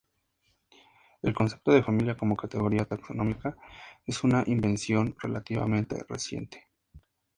El concepto de familia como categoría taxonómica es una invención relativamente reciente.